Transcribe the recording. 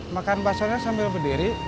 makan basahnya sambil berdiri